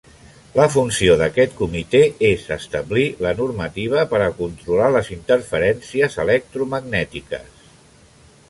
La funció d'aquest comitè és establir la normativa per a controlar les interferències electromagnètiques.